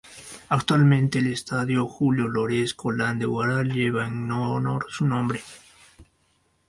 Actualmente el Estadio Julio Lores Colán de Huaral lleva en honor su nombre.